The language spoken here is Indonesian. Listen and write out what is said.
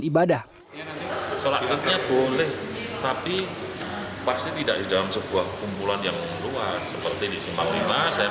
ibadah sholatnya boleh tapi pasti tidak di dalam sebuah kumpulan yang luas seperti disimak lima saya